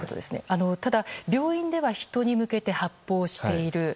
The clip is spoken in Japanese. ただ、病院では人に向けて発砲している。